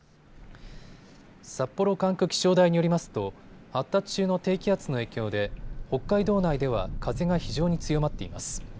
札幌管区気象台によりますと発達中の低気圧の影響で北海道内では風が非常に強まっています。